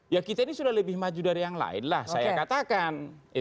ya kita ini sudah lebih maju dari yang lain lah saya katakan